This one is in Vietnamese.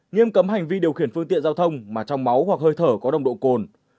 nghiêm cấm hành vi điều khiển phương tiện giao thông mà trong máu hoặc hơi thở có nồng độ cồn